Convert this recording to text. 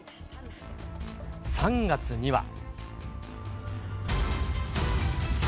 ３月には。